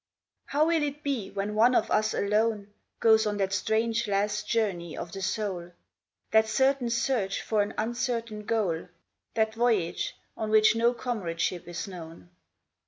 How will it be when one of us alone Goes on that strange last journey of the soul? That certain search for an uncertain goal, That voyage on which no comradeship is known?